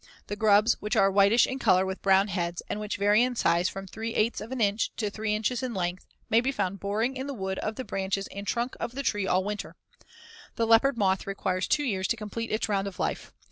The grubs which are whitish in color with brown heads, and which vary in size from 3/8 of an inch to 3 inches in length (Fig. 104), may be found boring in the wood of the branches and trunk of the tree all winter. Fig. 105. The leopard moth requires two years to complete its round of life.